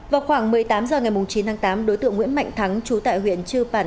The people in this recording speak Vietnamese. vào khoảng một mươi tám h ngày chín tháng tám đối tượng nguyễn mạnh thắng chú tại huyện chư pản